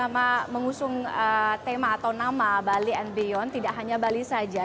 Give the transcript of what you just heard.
jadi memang walaupun mengusung tema atau nama bali ambient tidak hanya bali saja